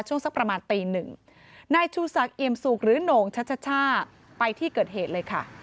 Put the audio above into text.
สักประมาณตีหนึ่งนายชูศักดิมสุกหรือโหน่งชัชช่าไปที่เกิดเหตุเลยค่ะ